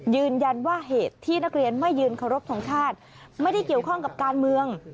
ยืนยันว่าเหตุที่นักเรียนไม่ยืนเคารพทรงชาติไม่ได้เกี่ยวข้องกับการเมือง